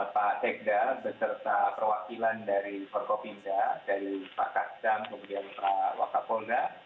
pak tegda beserta perwakilan dari korpopinda pak kastam dan pak wakapolda